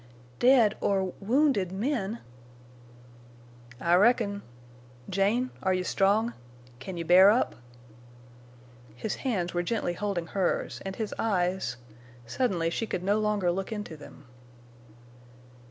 "Dead—or—wounded—men!" "I reckon—Jane, are you strong? Can you bear up?" His hands were gently holding hers, and his eyes—suddenly she could no longer look into them.